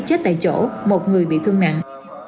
chết tại chỗ một người bị thương nặng